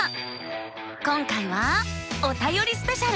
今回は「おたよりスペシャル」。